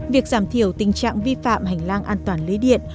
việc giảm thiểu tình trạng vi phạm hành lang an toàn lưới điện